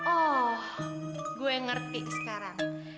oh gue ngerti sekarang